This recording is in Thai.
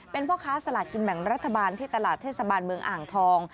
เป็นพ่อค้าสลากกินแบ่งรัฐบาลที่ตลาดเทศบาลเมืองอ่างทอง